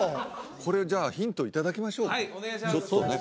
これじゃあヒントいただきましょうかちょっとね